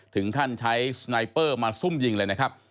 ถึงขั้นใช้สไนเปอร์มาซุ่มยิงเลยนะครับ